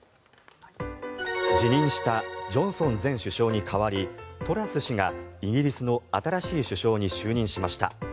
辞任したジョンソン前首相に代わりトラス氏がイギリスの新しい首相に就任しました。